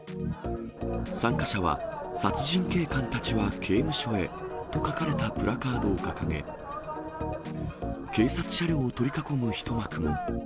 参加者は、殺人警官たちは刑務所へ！と書かれたプラカードを掲げ、警察車両を取り囲む一幕も。